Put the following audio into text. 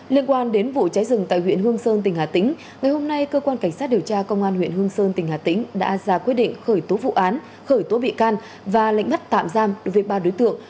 liên quan đến vụ cháy rừng tại huyện hương sơn tỉnh hà tĩnh ngày hôm nay cơ quan cảnh sát điều tra công an huyện hương sơn tỉnh hà tĩnh đã ra quyết định khởi tố vụ án khởi tố bị can và lệnh bắt tạm giam đối với ba đối tượng